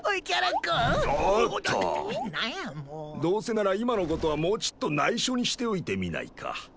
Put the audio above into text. どうせなら今の事はもうちっとないしょにしておいてみないか？